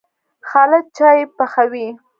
خالد چايي پخوي.